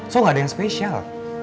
so gak ada yang spesial